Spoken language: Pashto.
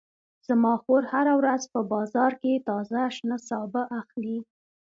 زما خور هره ورځ په بازار کې تازه شنه سابه اخلي